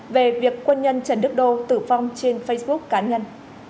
về việc quân nhân trần đức đô tử vong trên facebook cá nhân